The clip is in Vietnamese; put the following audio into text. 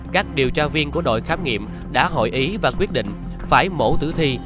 các điều tra viên của đội khám nghiệm đã hội ý và quyết định phải mổ tử thi